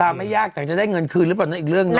ไม่ยากแต่จะได้เงินคืนหรือเปล่านั้นอีกเรื่องหนึ่ง